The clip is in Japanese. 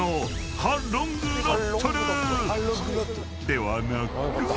［ではなく］